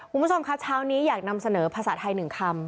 คุณผู้ชมคะเช้านี้อยากนำเสนอภาษาไทย๑คำ